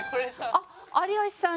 あっ有吉さん。